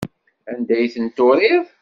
Anda ay tent-turiḍ?